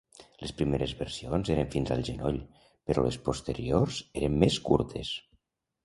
Les primeres versions eren fins al genoll però les posteriors eren més curtes.